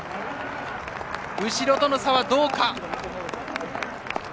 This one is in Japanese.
後ろとの差はどうか。